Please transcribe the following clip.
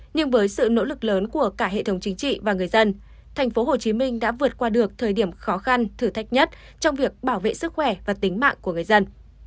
nhưng với sự nỗ lực lớn của cả hệ thống chính trị và người dân tp hcm đã vượt qua được thời điểm khó khăn thử thách nhất trong việc bảo vệ sức khỏe và tính mạng của người dân